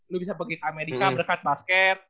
lu bisa pergi ke amerika berkat basket